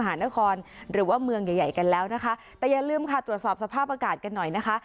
นครหรือว่าเมืองใหญ่ใหญ่กันแล้วนะคะแต่อย่าลืมค่ะตรวจสอบสภาพอากาศกันหน่อยนะคะ